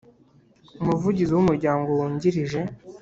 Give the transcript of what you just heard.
Umuvugizi w Umuryango Wungirije